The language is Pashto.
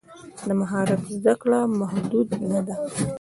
د مهارت زده کړه محدود نه ده.